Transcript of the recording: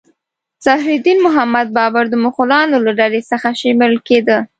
ظهیر الدین محمد بابر د مغولانو له ډلې څخه شمیرل کېده.